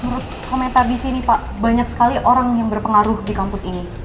menurut komentar di sini pak banyak sekali orang yang berpengaruh di kampus ini